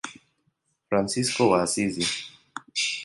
Fransisko wa Asizi.